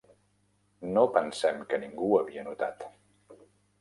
No pensem que ningú havia notat.